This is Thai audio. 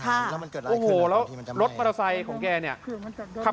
ครับแล้วมันเกิดอะไรขึ้นที่มันทำให้โอ้โหแล้วรถมอเตอร์ไซต์ของแกนี่